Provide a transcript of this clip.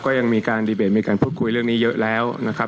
ก็ยังมีการพูดคุยเรื่องนี้เยอะแล้วนะครับ